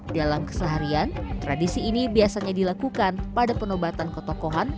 dalam keseharian tradisi ini biasanya dilakukan pada penobatan ketokohan